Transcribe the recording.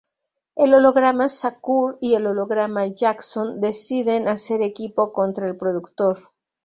El holograma Shakur y el holograma Jackson deciden hacer equipo contra el productor.